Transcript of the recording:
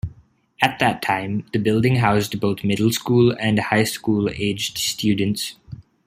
At that time, the building housed both middle school and high school aged students.